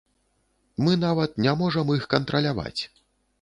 Мы нават не можам іх кантраляваць.